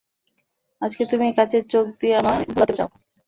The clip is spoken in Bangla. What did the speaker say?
আজকে তুমি কাচের চোখ দিয়ে আমায় ভোলোতে চাও?